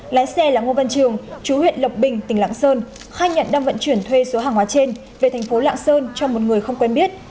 lái xe là ngô văn trường chú huyện lộc bình tỉnh lạng sơn khai nhận đang vận chuyển thuê số hàng hóa trên về thành phố lạng sơn cho một người không quen biết